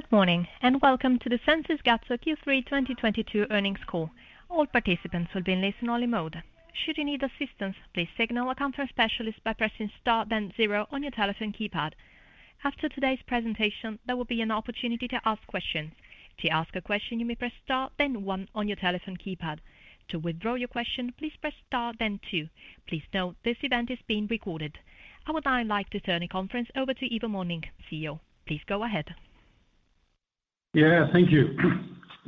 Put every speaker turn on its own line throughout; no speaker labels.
Good morning, and welcome to the Sensys Gatso Q3 2022 earnings call. All participants will be in listen-only mode. Should you need assistance, please signal a conference specialist by pressing star then zero on your telephone keypad. After today's presentation, there will be an opportunity to ask questions. To ask a question, you may press star then one on your telephone keypad. To withdraw your question, please press star then two. Please note this event is being recorded. I would now like to turn the conference over to Ivo Mönnink, CEO. Please go ahead.
Yeah, thank you.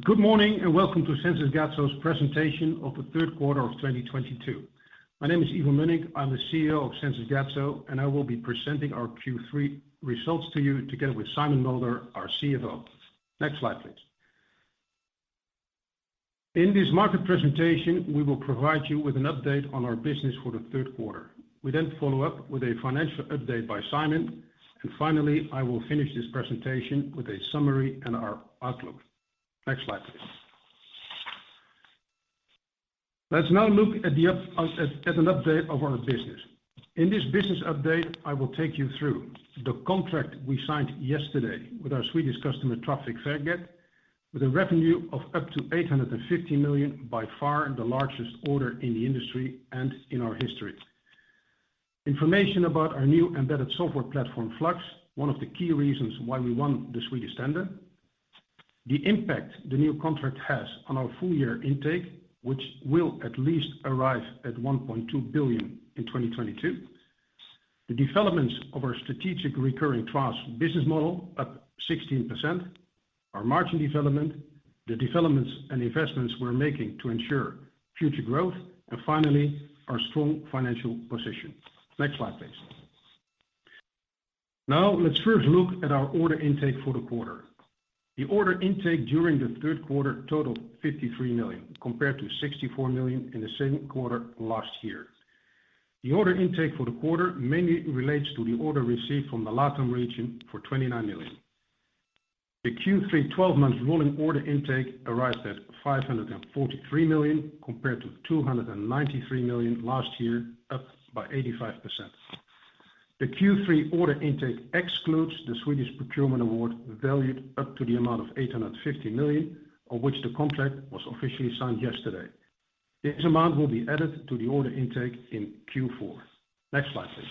Good morning and welcome to Sensys Gatso's presentation of the third quarter of 2022. My name is Ivo Mönnink. I'm the CEO of Sensys Gatso, and I will be presenting our Q3 results to you together with Simon Mulder, our CFO. Next slide, please. In this market presentation, we will provide you with an update on our business for the third quarter. We then follow up with a financial update by Simon, and finally, I will finish this presentation with a summary and our outlook. Next slide, please. Let's now look at an update of our business. In this business update, I will take you through the contract we signed yesterday with our Swedish customer, Trafikverket, with a revenue of up to 850 million, by far the largest order in the industry and in our history. Information about our new embedded software platform, FLUX, one of the key reasons why we won the Swedish tender. The impact the new contract has on our full year intake, which will at least arrive at 1.2 billion in 2022. The developments of our strategic recurring TRaaS business model up 16%, our margin development, the developments and investments we're making to ensure future growth, and finally, our strong financial position. Next slide, please. Now, let's first look at our order intake for the quarter. The order intake during the third quarter totaled 53 million, compared to 64 million in the same quarter last year. The order intake for the quarter mainly relates to the order received from the LATAM region for 29 million. The Q3 12 months rolling order intake arrived at 543 million, compared to 293 million last year, up by 85%. The Q3 order intake excludes the Swedish procurement award, valued up to the amount of 850 million, of which the contract was officially signed yesterday. This amount will be added to the order intake in Q4. Next slide, please.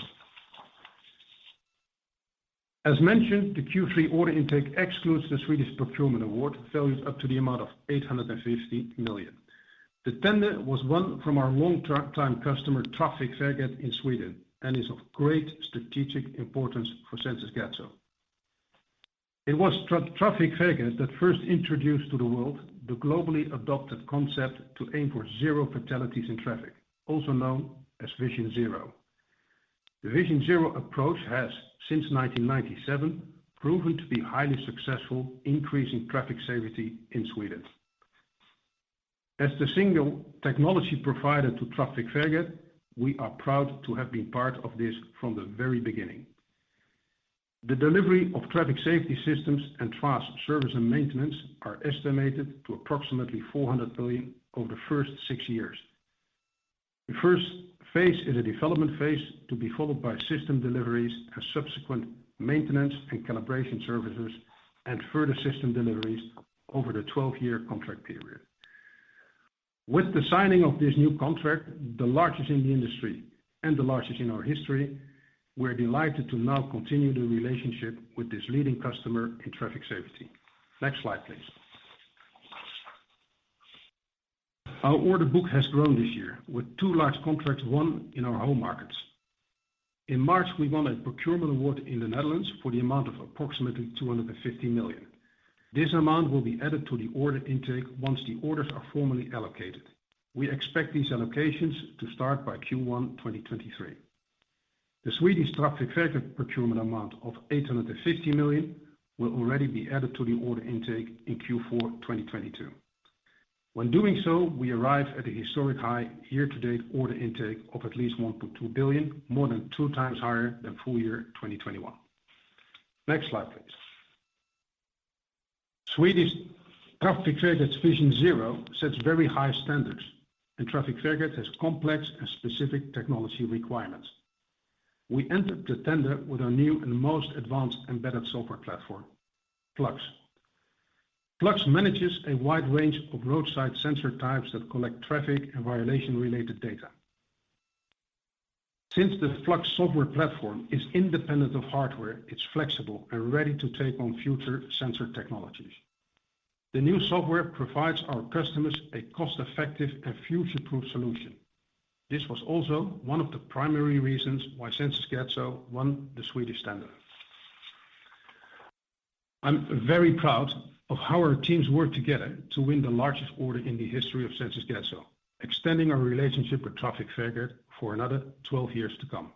As mentioned, the Q3 order intake excludes the Swedish procurement award, valued up to the amount of 850 million. The tender was won from our long-time customer, Trafikverket in Sweden, and is of great strategic importance for Sensys Gatso. It was Trafikverket that first introduced to the world the globally adopted concept to aim for zero fatalities in traffic, also known as Vision Zero. The Vision Zero approach has, since 1997, proven to be highly successful, increasing traffic safety in Sweden. As the single technology provider to Trafikverket, we are proud to have been part of this from the very beginning. The delivery of traffic safety systems and fast service and maintenance are estimated to approximately 400 million over the first six years. The first phase is a development phase to be followed by system deliveries and subsequent maintenance and calibration services and further system deliveries over the 12-year contract period. With the signing of this new contract, the largest in the industry and the largest in our history, we're delighted to now continue the relationship with this leading customer in traffic safety. Next slide, please. Our order book has grown this year with two large contracts won in our home markets. In March, we won a procurement award in the Netherlands for the amount of approximately 250 million. This amount will be added to the order intake once the orders are formally allocated. We expect these allocations to start by Q1 2023. The Swedish Trafikverket procurement amount of 850 million will already be added to the order intake in Q4 2022. When doing so, we arrive at a historic high year-to-date order intake of at least 1.2 billion, more than two times higher than full year 2021. Next slide, please. Swedish Trafikverket's Vision Zero sets very high standards, and Trafikverket has complex and specific technology requirements. We entered the tender with our new and most advanced embedded software platform, FLUX. FLUX manages a wide range of roadside sensor types that collect traffic and violation-related data. Since the FLUX software platform is independent of hardware, it's flexible and ready to take on future sensor technologies. The new software provides our customers a cost-effective and future-proof solution. This was also one of the primary reasons why Sensys Gatso won the Swedish tender. I'm very proud of how our teams worked together to win the largest order in the history of Sensys Gatso, extending our relationship with Trafikverket for another 12 years to come.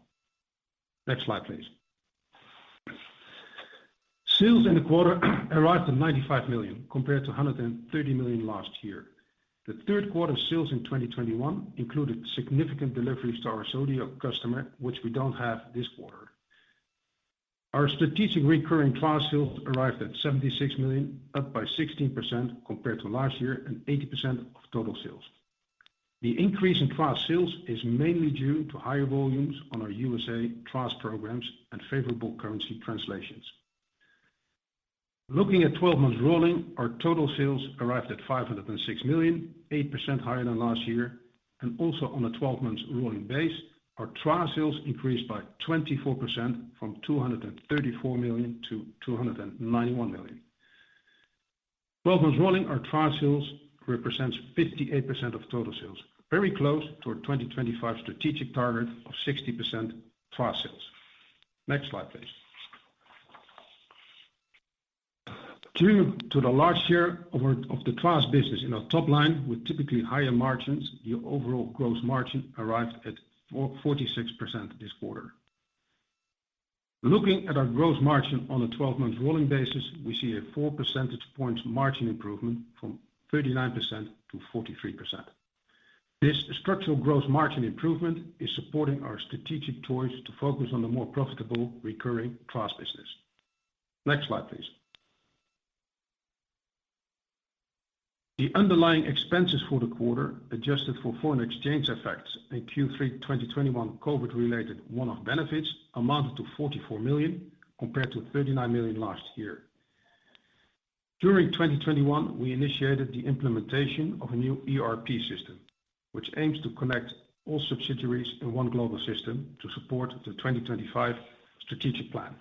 Next slide, please. Sales in the quarter arrived at 95 million, compared to 130 million last year. The third quarter sales in 2021 included significant deliveries to our Saudi customer, which we don't have this quarter. Our strategic recurring TRaaS sales arrived at 76 million, up by 16% compared to last year and 80% of total sales. The increase in TRaaS sales is mainly due to higher volumes on our USA TRaaS programs and favorable currency translations. Looking at 12 months rolling, our total sales arrived at 506 million, 8% higher than last year. Also on a 12 months rolling base, our TRaaS sales increased by 24% from 234 million to 291 million. 12 months rolling, our TRaaS sales represents 58% of total sales, very close to our 2025 strategic target of 60% TRaaS sales. Next slide, please. Due to the large share of the TRaaS business in our top line with typically higher margins, the overall gross margin arrived at 46% this quarter. Looking at our gross margin on a 12-month rolling basis, we see a four percentage points margin improvement from 39%-43%. This structural gross margin improvement is supporting our strategic choice to focus on the more profitable recurring TRaaS business. Next slide, please. The underlying expenses for the quarter, adjusted for foreign exchange effects in Q3 2021 COVID-related one-off benefits, amounted to 44 million compared to 39 million last year. During 2021, we initiated the implementation of a new ERP system, which aims to connect all subsidiaries in one global system to support the 2025 strategic plan.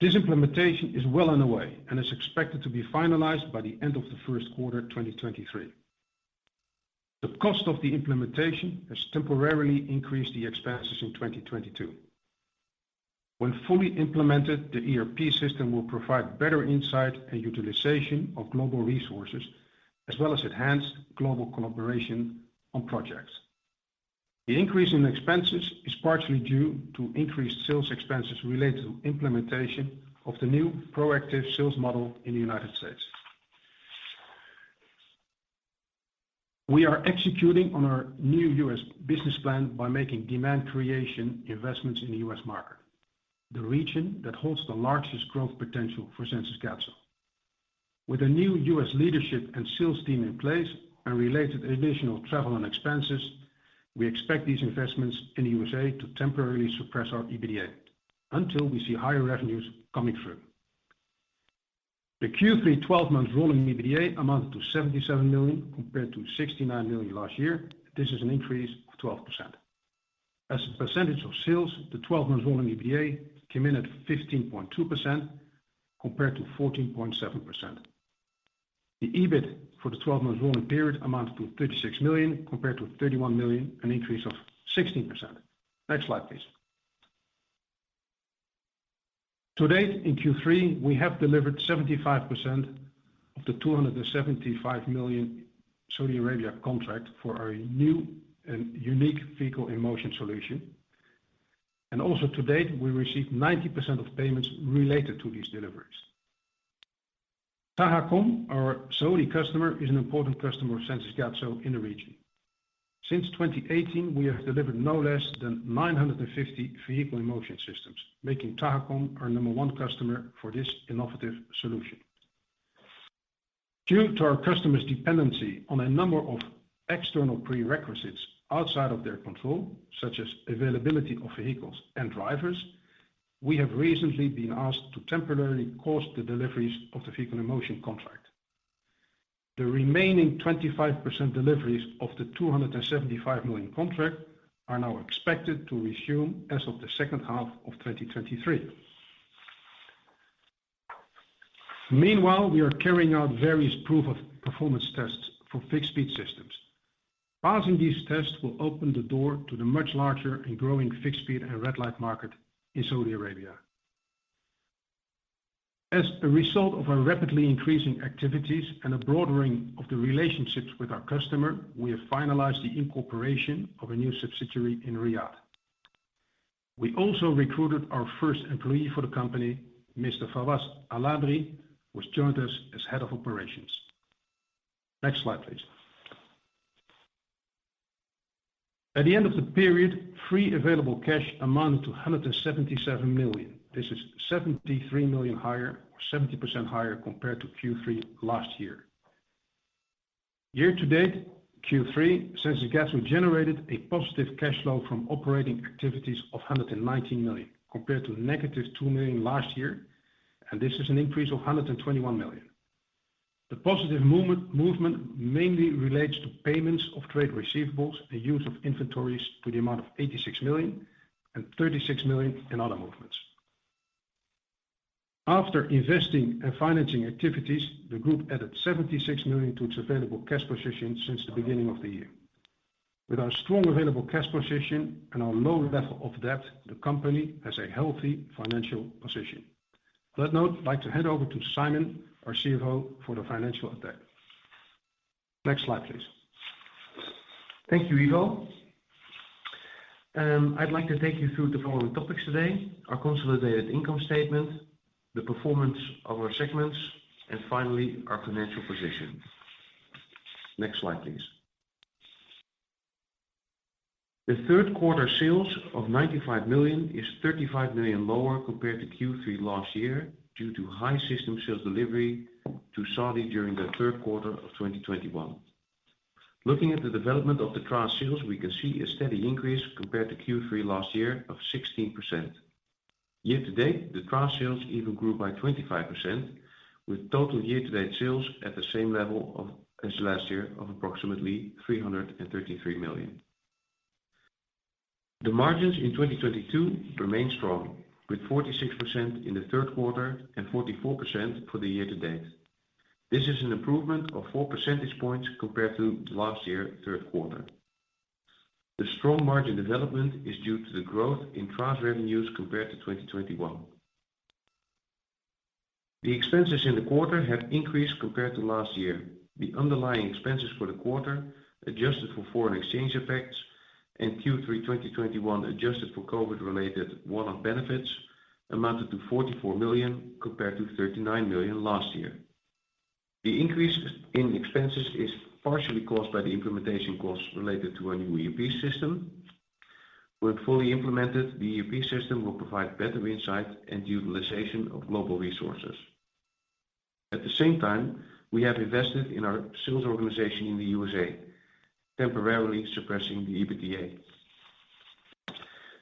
This implementation is well underway and is expected to be finalized by the end of the first quarter 2023. The cost of the implementation has temporarily increased the expenses in 2022. When fully implemented, the ERP system will provide better insight and utilization of global resources, as well as enhanced global collaboration on projects. The increase in expenses is partially due to increased sales expenses related to implementation of the new proactive sales model in the United States. We are executing on our new U.S. business plan by making demand creation investments in the U.S. market, the region that holds the largest growth potential for Sensys Gatso. With a new U.S. leadership and sales team in place, and related additional travel and expenses, we expect these investments in USA to temporarily suppress our EBITDA until we see higher revenues coming through. The Q3 12 months rolling EBITDA amounted to 77 million compared to 69 million last year. This is an increase of 12%. As a percentage of sales, the 12 months rolling EBITDA came in at 15.2% compared to 14.7%. The EBIT for the 12 months rolling period amounted to 36 million compared to 31 million, an increase of 16%. Next slide, please. To date, in Q3, we have delivered 75% of the 275 million Saudi Arabia contract for our new and unique Vehicle-in-Motion solution. Also to date, we received 90% of payments related to these deliveries. Tahakom, our Saudi customer, is an important customer of Sensys Gatso in the region. Since 2018, we have delivered no less than 950 Vehicle-in-Motion systems, making Tahakom our number one customer for this innovative solution. Due to our customers' dependency on a number of external prerequisites outside of their control, such as availability of vehicles and drivers, we have recently been asked to temporarily pause the deliveries of the Vehicle-in-Motion contract. The remaining 25% deliveries of the 275 million contract are now expected to resume as of the second half of 2023. Meanwhile, we are carrying out various proof of performance tests for fixed speed systems. Passing these tests will open the door to the much larger and growing fixed speed and red light market in Saudi Arabia. As a result of our rapidly increasing activities and a broadening of the relationships with our customer, we have finalized the incorporation of a new subsidiary in Riyadh. We also recruited our first employee for the company, Mr. Fawaz Al-Andri, who has joined us as Head of Operations. Next slide, please. At the end of the period, free available cash amounted to 177 million. This is 73 million higher, or 70% higher compared to Q3 last year. Year to date, Q3, Sensys Gatso generated a positive cash flow from operating activities of 119 million, compared to -2 million last year, and this is an increase of 121 million. The positive movement mainly relates to payments of trade receivables and use of inventories to the amount of 86 million and 36 million in other movements. After investing and financing activities, the Group added 76 million to its available cash position since the beginning of the year. With our strong available cash position and our low level of debt, the company has a healthy financial position. On that note, I'd like to hand over to Simon, our CFO, for the financial update. Next slide, please.
Thank you, Ivo. I'd like to take you through the following topics today, our consolidated income statement, the performance of our segments, and finally, our financial position. Next slide, please. The third quarter sales of 95 million is 35 million lower compared to Q3 last year due to high system sales delivery to Saudi during the third quarter of 2021. Looking at the development of the TRaaS sales, we can see a steady increase compared to Q3 last year of 16%. Year-to-date, the TRaaS sales even grew by 25% with total year-to-date sales at the same level as last year of approximately 333 million. The margins in 2022 remain strong, with 46% in the third quarter and 44% for the year-to-date. This is an improvement of four percentage points compared to last year, third quarter. The strong margin development is due to the growth in TRaaS revenues compared to 2021. The expenses in the quarter have increased compared to last year. The underlying expenses for the quarter, adjusted for foreign exchange effects and Q3 2021 adjusted for COVID-related one-off benefits, amounted to 44 million compared to 39 million last year. The increase in expenses is partially caused by the implementation costs related to our new ERP system. When fully implemented, the ERP system will provide better insight and utilization of global resources. At the same time, we have invested in our sales organization in the USA, temporarily suppressing the EBITDA.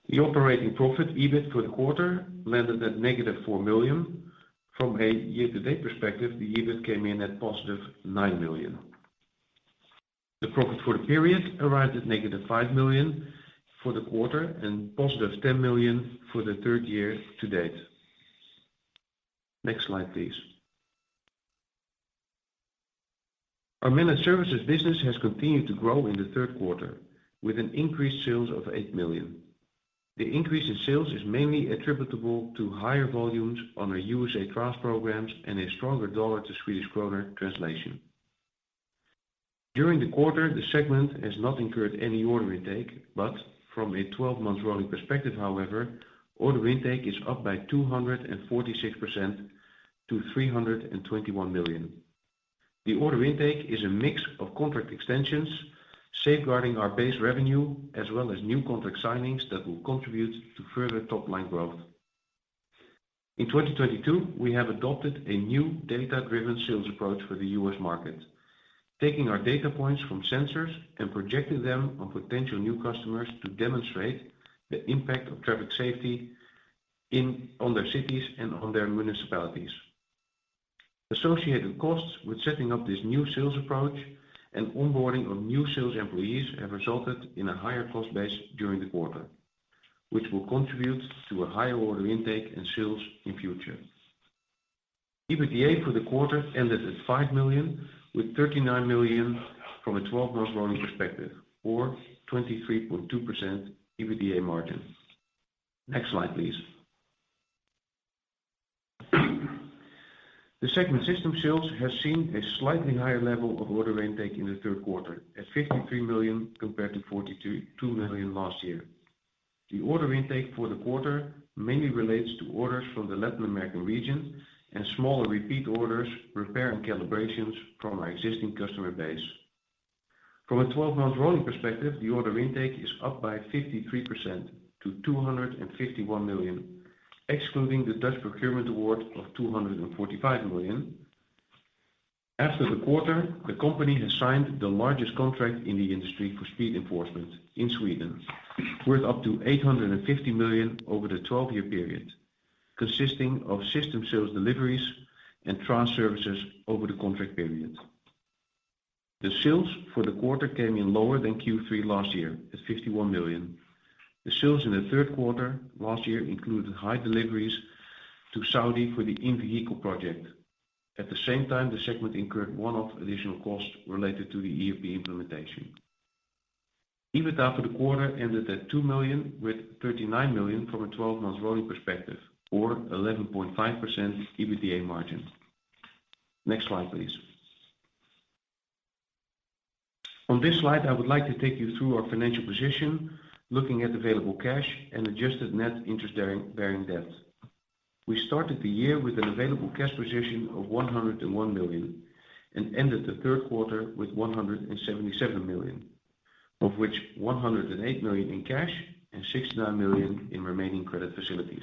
The operating profit, EBIT, for the quarter landed at -4 million. From a year-to-date perspective, the EBIT came in at +9 million. The profit for the period arrived at -5 million for the quarter and +10 million for the third year-to-date. Next slide, please. Our Managed Services business has continued to grow in the 3rd quarter with an increased sales of 8 million. The increase in sales is mainly attributable to higher volumes on our USA TRaaS programs and a stronger dollar to Swedish krona translation. During the quarter, the segment has not incurred any order intake, but from a 12-month rolling perspective, however, order intake is up by 246% to 321 million. The order intake is a mix of contract extensions, safeguarding our base revenue, as well as new contract signings that will contribute to further top-line growth. In 2022, we have adopted a new data-driven sales approach for the U.S. market, taking our data points from sensors and projecting them on potential new customers to demonstrate the impact of traffic safety on their cities and on their municipalities. Associated costs with setting up this new sales approach and onboarding of new sales employees have resulted in a higher cost base during the quarter, which will contribute to a higher order intake and sales in future. EBITDA for the quarter ended at 5 million with 39 million from a 12-month rolling perspective or 23.2% EBITDA margin. Next slide, please. The segment system sales has seen a slightly higher level of order intake in the third quarter at 53 million compared to 42 million last year. The order intake for the quarter mainly relates to orders from the Latin American region and smaller repeat orders, repair, and calibrations from our existing customer base. From a 12-month rolling perspective, the order intake is up by 53% to 251 million, excluding the Dutch procurement award of 245 million. After the quarter, the company has signed the largest contract in the industry for speed enforcement in Sweden, worth up to 850 million over the 12-year period, consisting of system sales deliveries and TRaaS services over the contract period. The sales for the quarter came in lower than Q3 last year at 51 million. The sales in the third quarter last year included high deliveries to Saudi for the Vehicle-in-Motion project. At the same time, the segment incurred one-off additional costs related to the ERP implementation. EBITDA for the quarter ended at 2 million, with 39 million from a 12-month rolling perspective or 11.5% EBITDA margin. Next slide, please. On this slide, I would like to take you through our financial position looking at available cash and adjusted net interest-bearing debt. We started the year with an available cash position of 101 million and ended the third quarter with 177 million, of which 108 million in cash and 69 million in remaining credit facilities.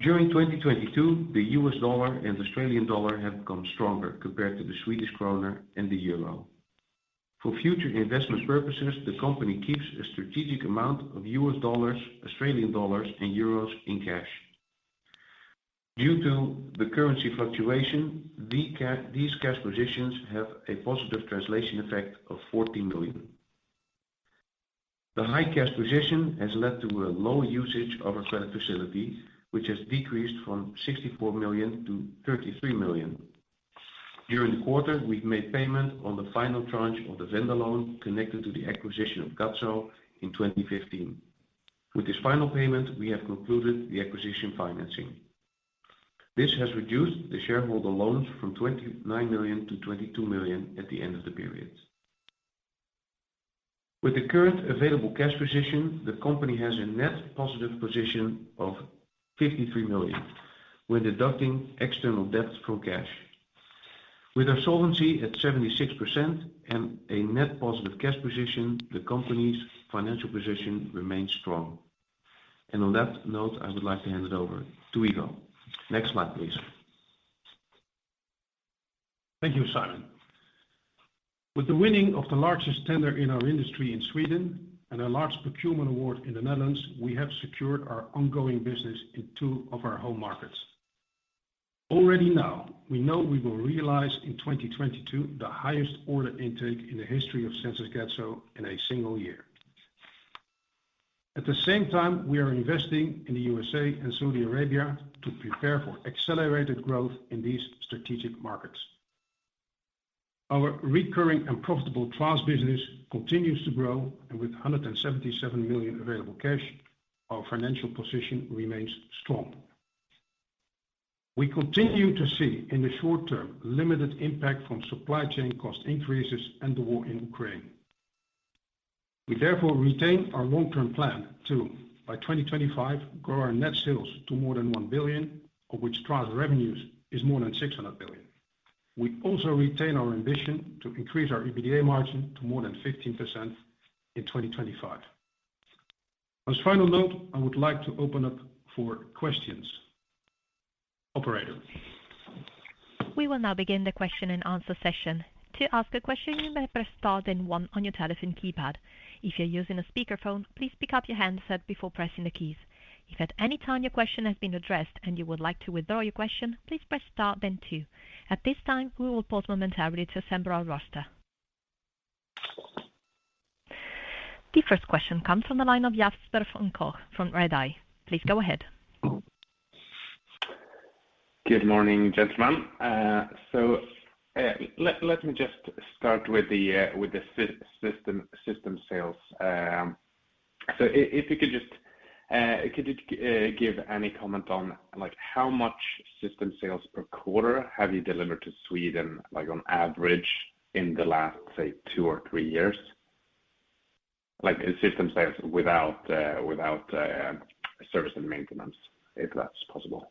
During 2022, the US dollar and Australian dollar have become stronger compared to the Swedish krona and the euro. For future investment purposes, the company keeps a strategic amount of US dollars, Australian dollars, and euros in cash. Due to the currency fluctuation, these cash positions have a positive translation effect of 14 million. The high cash position has led to a low usage of our credit facility, which has decreased from 64 million to 33 million. During the quarter, we've made payment on the final tranche of the vendor loan connected to the acquisition of Gatso in 2015. With this final payment, we have concluded the acquisition financing. This has reduced the shareholder loans from 29 million to 22 million at the end of the period. With the current available cash position, the company has a net positive position of 53 million when deducting external debt from cash. With our solvency at 76% and a net positive cash position, the company's financial position remains strong. On that note, I would like to hand it over to Ivo Mönnink. Next slide, please.
Thank you, Simon. With the winning of the largest tender in our industry in Sweden and a large procurement award in the Netherlands, we have secured our ongoing business in two of our home markets. Already now, we know we will realize in 2022 the highest order intake in the history of Sensys Gatso in a single year. At the same time, we are investing in the USA and Saudi Arabia to prepare for accelerated growth in these strategic markets. Our recurring and profitable TRaaS business continues to grow, and with 177 million available cash, our financial position remains strong. We continue to see in the short term, limited impact from supply chain cost increases and the war in Ukraine. We therefore retain our long-term plan to, by 2025, grow our net sales to more than 1 billion, of which TRaaS revenues is more than 600 million. We also retain our ambition to increase our EBITDA margin to more than 15% in 2025. As final note, I would like to open up for questions. Operator.
We will now begin the question and answer session. To ask a question, you may press star then one on your telephone keypad. If you're using a speakerphone, please pick up your handset before pressing the keys. If at any time your question has been addressed and you would like to withdraw your question, please press star then two. At this time, we will pause momentarily to assemble our roster. The first question comes from the line of Jesper von Koch from Redeye. Please go ahead.
Good morning, gentlemen. Let me just start with the system sales. Could you give any comment on, like, how much system sales per quarter have you delivered to Sweden, like, on average in the last, say, two or three years? Like, system sales without service and maintenance, if that's possible.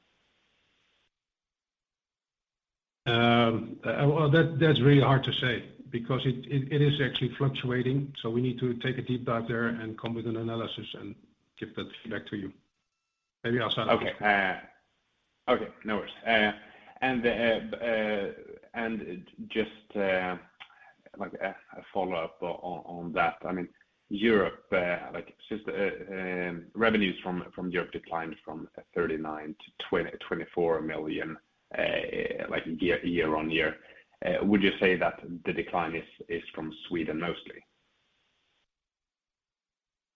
Well, that's really hard to say because it is actually fluctuating, so we need to take a deep dive there and come with an analysis and get that back to you. Maybe I'll start.
Okay. Okay, no worries. Just like a follow-up on that, I mean, Europe, like just revenues from Europe declined from 39 million-24 million, like year-on-year. Would you say that the decline is from Sweden mostly?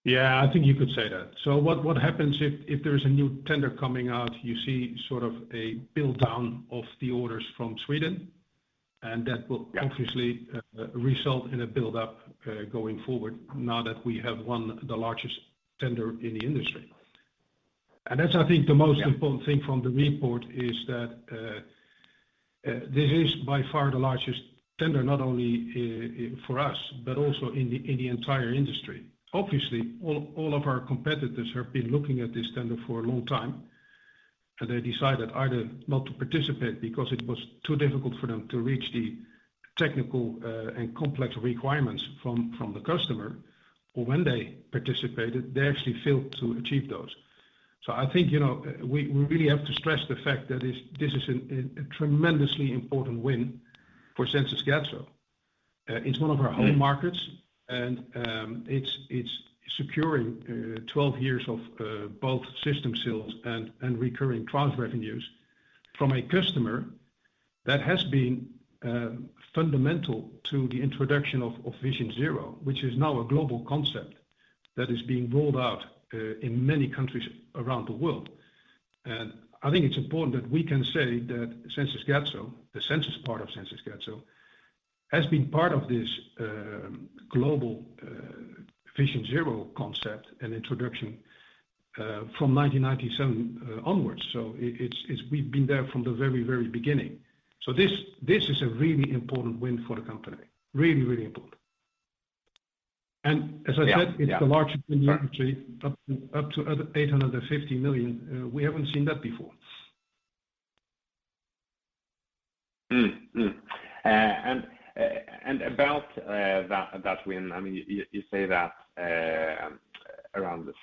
Yeah, I think you could say that. What happens if there's a new tender coming out, you see sort of a build-down of the orders from Sweden, and that will obviously result in a build-up going forward now that we have won the largest tender in the industry. That's, I think, the most important thing from the report is that this is by far the largest tender, not only for us, but also in the entire industry. Obviously, all of our competitors have been looking at this tender for a long time, and they decided either not to participate because it was too difficult for them to reach the technical and complex requirements from the customer, or when they participated, they actually failed to achieve those. I think, you know, we really have to stress the fact that this is a tremendously important win for Sensys Gatso. It's one of our home markets and it's securing 12 years of both system sales and recurring TRaaS revenues from a customer that has been fundamental to the introduction of Vision Zero, which is now a global concept that is being rolled out in many countries around the world. I think it's important that we can say that Sensys Gatso, the Sensys part of Sensys Gatso, has been part of this global Vision Zero concept and introduction from 1997 onwards. We've been there from the very beginning. This is a really important win for the company. Really important. As I said.
Yeah. Yeah.
It's the largest in the industry up to 850 million. We haven't seen that before.
About that win, I mean, you say that around the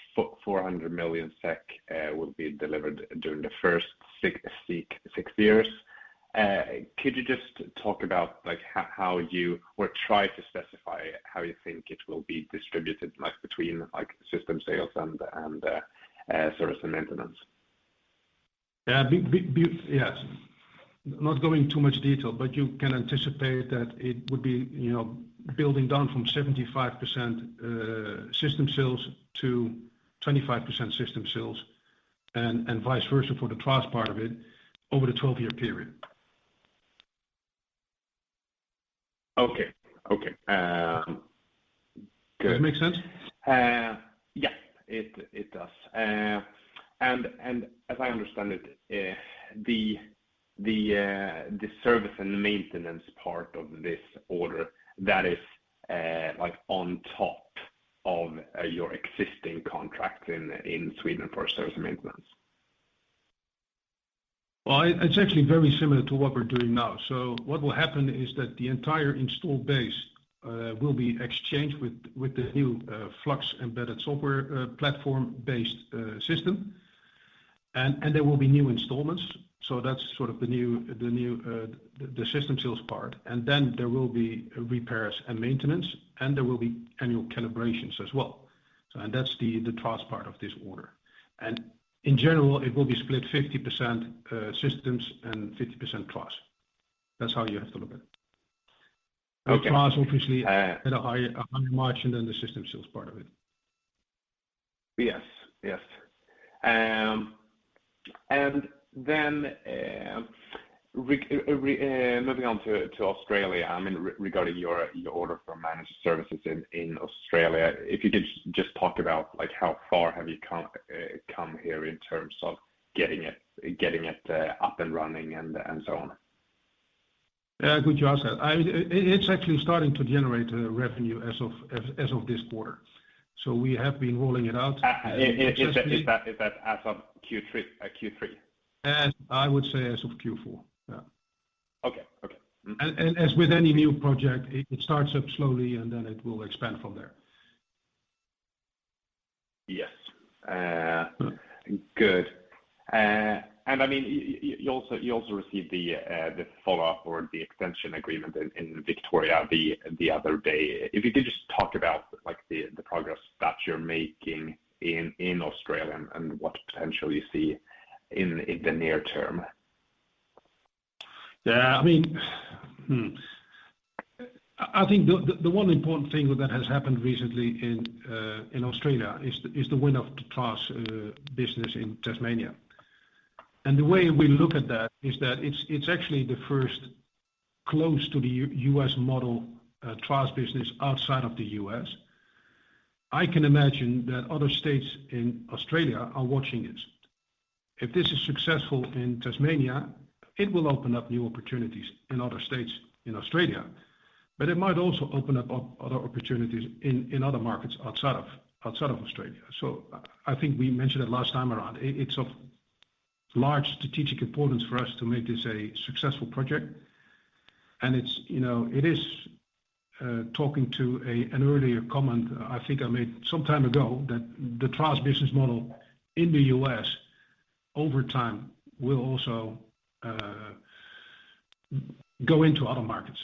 400 million SEK will be delivered during the first six years. Could you just talk about like how you would try to specify how you think it will be distributed, like between like system sales and service and maintenance?
Yeah. Yes. Not going too much detail, but you can anticipate that it would be, you know, building down from 75% system sales to 25% system sales and vice versa for the TRaaS part of it over the 12-year period.
Okay. Good.
Does that make sense?
Yeah, it does. As I understand it, the service and maintenance part of this order that is like on top of your existing contract in Sweden for service and maintenance.
Well, it's actually very similar to what we're doing now. What will happen is that the entire installed base will be exchanged with the new FLUX embedded software platform-based system. There will be new installments, so that's sort of the new system sales part. There will be repairs and maintenance, and there will be annual calibrations as well. That's the TRaaS part of this order. In general, it will be split 50% systems and 50% TRaaS. That's how you have to look at it.
Okay.
Now, TRaaS obviously at a higher margin than the system sales part of it.
Yes. Yes. Moving on to Australia, I mean, regarding your order for Managed Services in Australia. If you could just talk about, like, how far have you come here in terms of getting it up and running and so on.
Yeah, good you ask that. It's actually starting to generate revenue as of this quarter. We have been rolling it out successfully.
Is that as of Q3?
I would say as of Q4. Yeah.
Okay. Mm-hmm.
As with any new project, it starts up slowly, and then it will expand from there.
Yes. Good. I mean, you also received the follow-up or the extension agreement in Victoria the other day. If you could just talk about, like, the progress that you're making in Australia and what potential you see in the near term.
Yeah. I mean... Hmm. I think the, the one important thing that has happened recently in, uh, in Australia is the, is the win of the TRaaS, uh, business in Tasmania. And the way we look at that is that it's actually the first close to the U-US model, uh, TRaaS business outside of the U.S. I can imagine that other states in Australia are watching this. If this is successful in Tasmania, it will open up new opportunities in other states in Australia. But it might also open up o-other opportunities in other markets outside of, outside of Australia. So I think we mentioned it last time around, it's of large strategic importance for us to make this a successful project. It is, you know, talking to an earlier comment I think I made some time ago that the TRaaS business model in the U.S. over time will also go into other markets.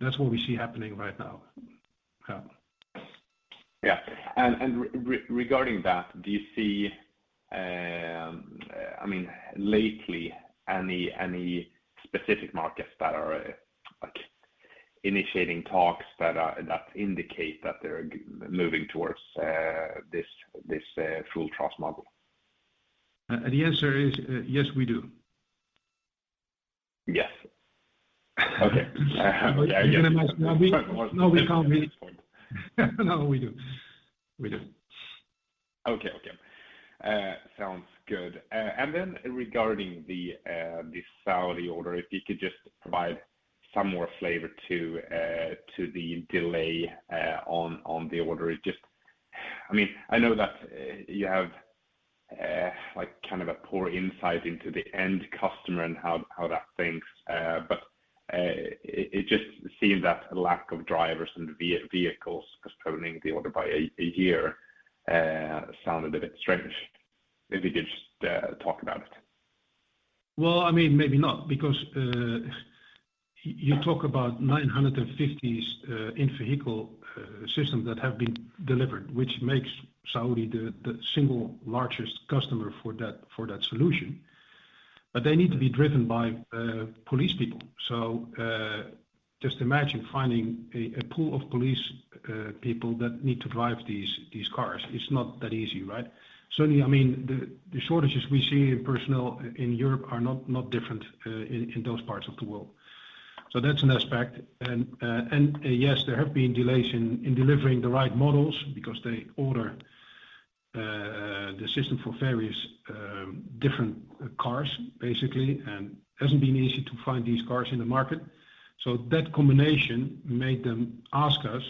That's what we see happening right now. Yeah.
Yeah. Regarding that, do you see, I mean, lately any specific markets that are, like, initiating talks that indicate that they're moving towards this full TRaaS model?
The answer is yes, we do.
Yes. Okay. Yeah.
You gonna ask me now we can't read. No, we do.
Okay. Okay. Sounds good. Regarding the Saudi order, if you could just provide some more flavor to the delay on the order. I mean, I know that you have like kind of a poor insight into the end customer and how that thinks. It just seemed that a lack of drivers and vehicles postponing the order by a year sounded a bit strange. If you could just talk about it.
Well, I mean, maybe not, because you talk about 950 in-vehicle systems that have been delivered, which makes Saudi the single largest customer for that solution. They need to be driven by police people. Just imagine finding a pool of police people that need to drive these cars. It's not that easy, right? Certainly, I mean, the shortages we see in personnel in Europe are not different in those parts of the world. That's an aspect. Yes, there have been delays in delivering the right models because they order the system for various different cars basically, and it hasn't been easy to find these cars in the market. That combination made them ask us,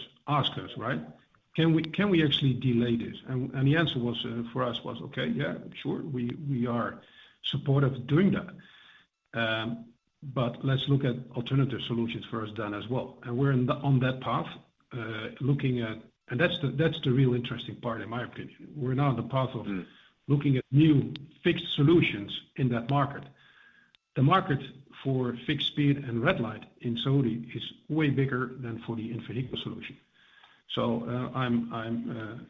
right, "Can we actually delay this?" The answer for us was, "Okay. Yeah, sure. We are supportive of doing that." Let's look at alternative solutions for us then as well. We're on that path looking at. That's the real interesting part in my opinion. We're now on the path of.
Mm.
Looking at new fixed solutions in that market. The market for fixed speed and red light in Saudi is way bigger than for the in-vehicle solution. I'm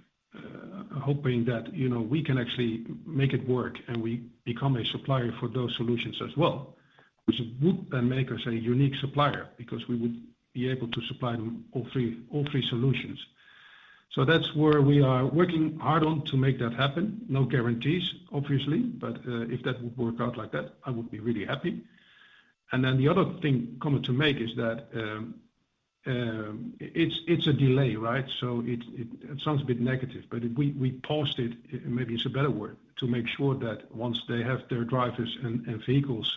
hoping that, you know, we can actually make it work, and we become a supplier for those solutions as well, which would make us a unique supplier because we would be able to supply them all three solutions. That's where we are working hard on to make that happen. No guarantees, obviously. If that would work out like that, I would be really happy. The other thing, comment to make is that it's a delay, right? It sounds a bit negative, but if we paused it, maybe it's a better word, to make sure that once they have their drivers and vehicles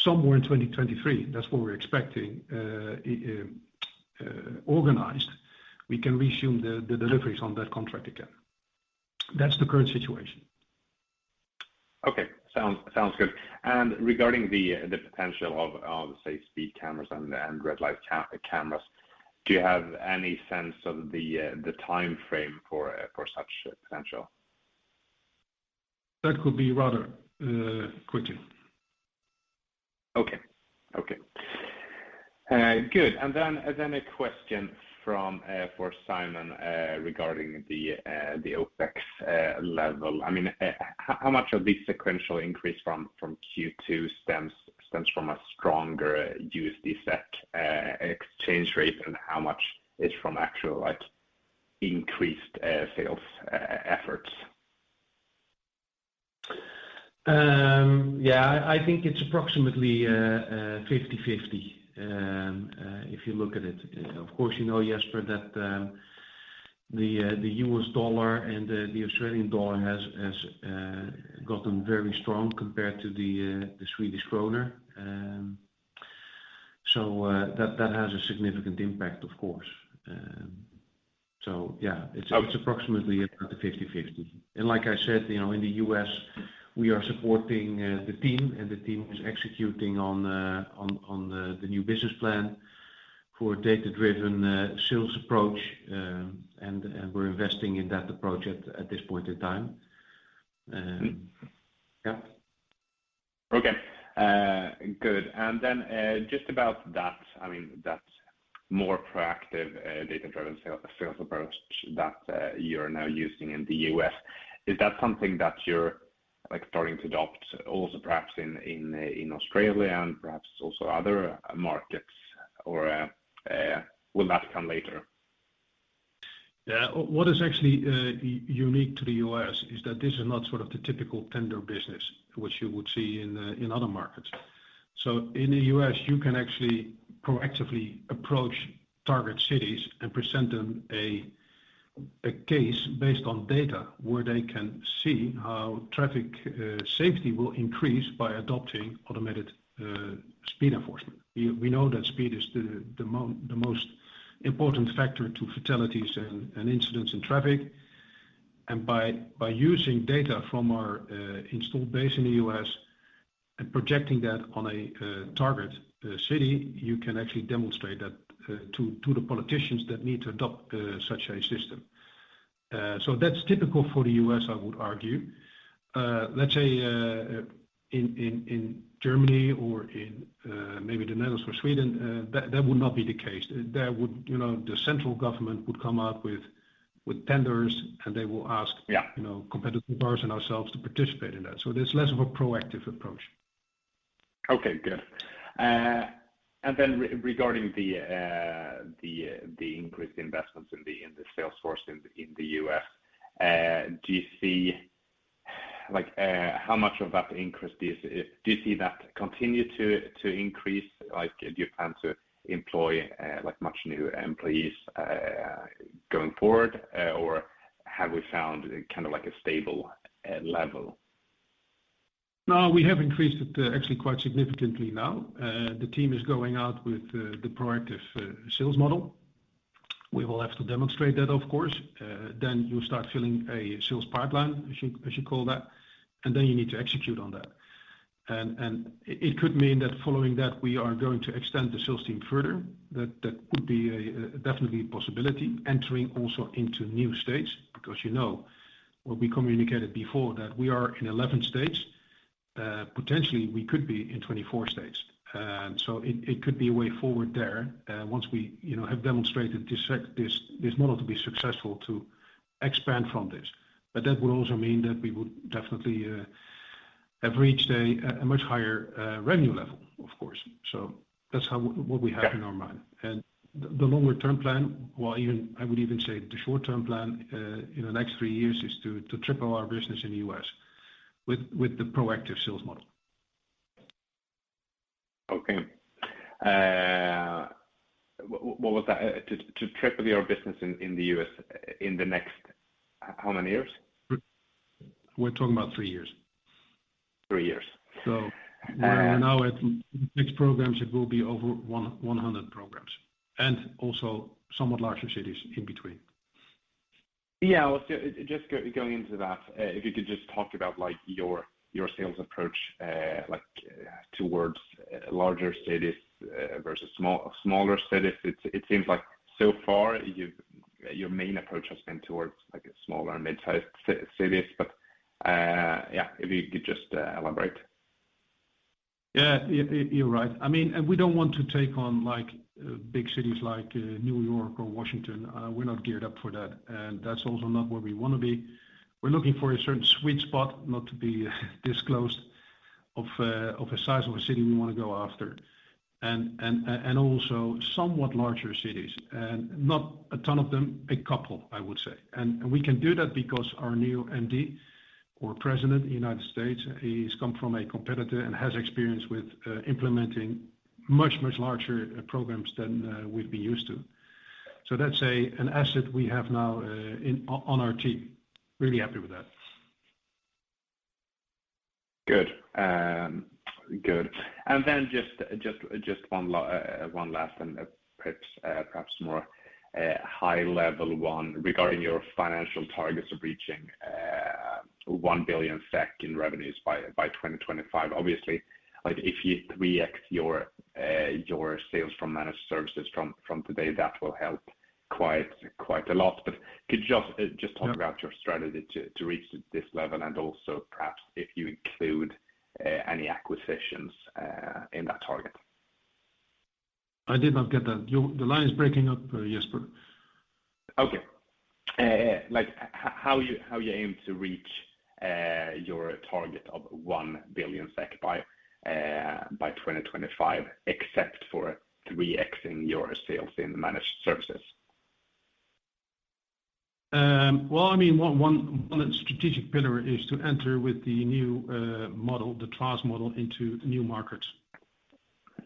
somewhere in 2023, that's what we're expecting, organized, we can resume the deliveries on that contract again. That's the current situation.
Okay. Sounds good. Regarding the potential of, say, speed cameras and red light cameras, do you have any sense of the timeframe for such potential?
That could be rather quickly.
Okay. Good. A question for Simon regarding the OpEx level. I mean, how much of this sequential increase from Q2 stems from a stronger US dollar effect, exchange rate, and how much is from actual, like, increased sales efforts?
Yeah. I think it's approximately 50/50 if you look at it. Of course you know, Jesper, that the U.S. dollar and the Australian dollar has gotten very strong compared to the Swedish krona. That has a significant impact, of course. Yeah.
Okay.
It's approximately at the 50/50. Like I said, you know, in the U.S. we are supporting the team, and the team is executing on the new business plan for a data-driven sales approach. We're investing in that approach at this point in time. Yeah.
Okay. Good. Just about that, I mean, that more proactive data-driven sales approach that you're now using in the U.S. Is that something that you're, like, starting to adopt also perhaps in Australia and perhaps also other markets? Will that come later?
Yeah. What is actually unique to the U.S. is that this is not sort of the typical tender business which you would see in other markets. In the U.S. you can actually proactively approach target cities and present them a case based on data where they can see how traffic safety will increase by adopting automated speed enforcement. We know that speed is the most important factor to fatalities and incidents in traffic. By using data from our installed base in the U.S. and projecting that on a target city, you can actually demonstrate that to the politicians that need to adopt such a system. That's typical for the U.S., I would argue. Let's say, in Germany or in maybe the Netherlands or Sweden, that would not be the case. You know, the central government would come out with tenders, and they will ask.
Yeah
You know, competitive buyers and ourselves to participate in that. There's less of a proactive approach.
Okay, good. Regarding the increased investments in the sales force in the U.S., do you see, like, how much of that increase do you see that continue to increase? Like, do you plan to employ, like, much new employees going forward, or have we found kind of like a stable level?
No, we have increased it actually quite significantly now. The team is going out with the proactive sales model. We will have to demonstrate that, of course. You start filling a sales pipeline as you call that, and then you need to execute on that. It could mean that following that we are going to extend the sales team further. That could be a definitely possibility. Entering also into new states, because you know what we communicated before, that we are in 11 states. Potentially we could be in 24 states. It could be a way forward there once we, you know, have demonstrated this model to be successful to expand from this. That would also mean that we would definitely have reached a much higher revenue level, of course. What we have in our mind. The longer-term plan, or even, I would even say the short-term plan, in the next three years is to triple our business in the U.S. with the proactive sales model.
Okay. What was that? To triple your business in the U.S. in the next how many years?
We're talking about three years.
Three years.
We're now at six programs. It will be over 100 programs, and also somewhat larger cities in between.
Yeah. Well, going into that, if you could just talk about, like, your sales approach, like towards larger cities versus smaller cities. It seems like so far your main approach has been towards, like, smaller and mid-sized cities. Yeah. If you could just elaborate.
Yeah. You're right. I mean, we don't want to take on like big cities like New York or Washington. We're not geared up for that, and that's also not where we wanna be. We're looking for a certain sweet spot, not to be disclosed, of a size of a city we wanna go after. Also somewhat larger cities. Not a ton of them, a couple, I would say. We can do that because our new MD or President in the United States, he's come from a competitor and has experience with implementing much, much larger programs than we've been used to. That's an asset we have now on our team. Really happy with that.
Good. Just one last and perhaps more high-level one regarding your financial targets of reaching 1 billion SEK in revenues by 2025. Obviously, like if you 3x your sales from Managed Services from today, that will help quite a lot.
Yeah
Just talk about your strategy to reach this level and also perhaps if you include any acquisitions in that target?
I did not get that. The line is breaking up, Jesper.
Okay. Like how you aim to reach your target of 1 billion SEK by 2025, except for 3x-ing your sales in Managed Services?
Well, I mean, one strategic pillar is to enter with the new model, the TRaaS model into new markets.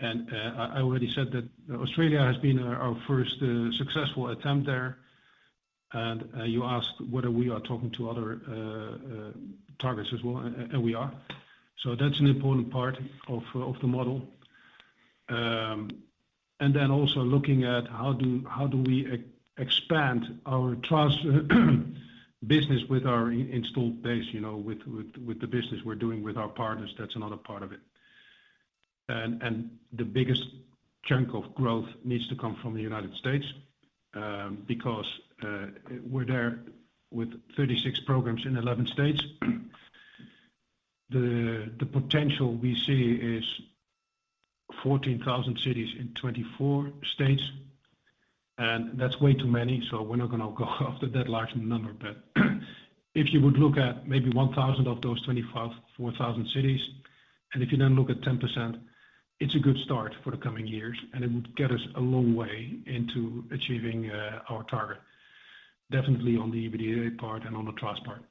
I already said that Australia has been our first successful attempt there. You asked whether we are talking to other targets as well, and we are. That's an important part of the model. Also looking at how do we expand our TRaaS business with our installed base, you know, with the business we're doing with our partners, that's another part of it. The biggest chunk of growth needs to come from the United States because we're there with 36 programs in 11 states. The potential we see is 14,000 cities in 24 states, and that's way too many. We're not gonna go after that large number. If you would look at maybe 1,000 of those 25, 4,000 cities, and if you then look at 10%, it's a good start for the coming years, and it would get us a long way into achieving our target, definitely on the EBITDA part and on the TRaaS part.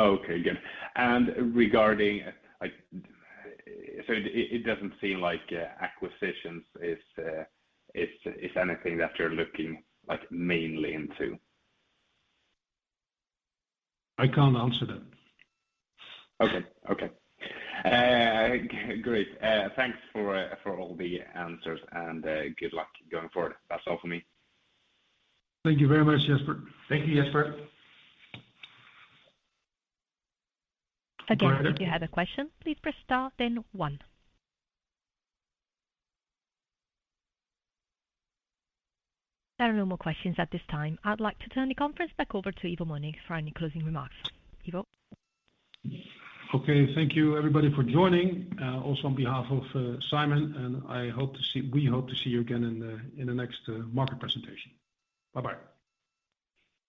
Okay, good. Regarding, like, it doesn't seem like acquisitions is anything that you're looking like mainly into.
I can't answer that.
Okay. Great. Thanks for all the answers and good luck going forward. That's all for me.
Thank you very much, Jesper.
Thank you, Jesper.
Again, if you have a question, please press star then one. There are no more questions at this time. I'd like to turn the conference back over to Ivo Mönnink for any closing remarks. Ivo?
Okay. Thank you, everybody, for joining. Also on behalf of Simon, we hope to see you again in the next market presentation. Bye-bye.